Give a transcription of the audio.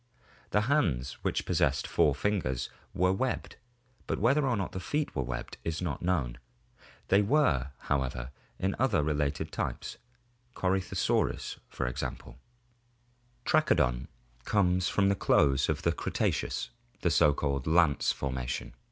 The hands, which possessed four fingers, were webbed, but whether or not the feet were webbed is not known. They were, however, in other related types (Corytho saurus). Trachodon comes from the close of the Cretaceous, the so called Lance formation.